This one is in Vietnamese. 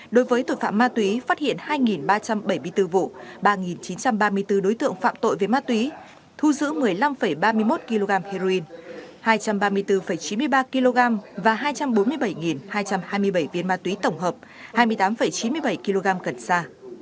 đối với tội phạm ma túy phát hiện hai ba trăm bảy mươi bốn vụ ba chín trăm ba mươi bốn đối tượng phạm tội về ma túy thu giữ một mươi năm ba mươi một kg heroin hai trăm ba mươi bốn chín mươi ba kg và hai trăm bốn mươi bảy hai trăm hai mươi bảy viên ma túy tổng hợp hai mươi tám chín mươi bảy kg cần sa